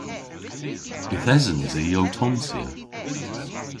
Yth esens i ow tonsya.